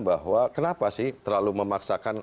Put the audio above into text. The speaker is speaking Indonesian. bahwa kenapa sih terlalu memaksakan